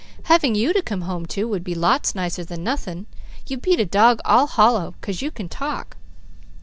"Having you to come home to would be lots nicer than nothing. You'd beat a dog all hollow, 'cause you can talk.